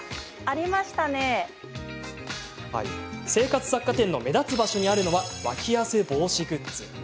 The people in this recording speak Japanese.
生活雑貨店の目立つ場所にあるのはワキ汗防止グッズ。